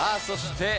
そして。